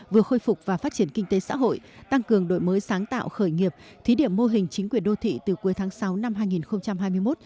vừa khôi phục và phát triển kinh tế xã hội tăng cường đổi mới sáng tạo khởi nghiệp thí điểm mô hình chính quyền đô thị từ cuối tháng sáu năm hai nghìn hai mươi một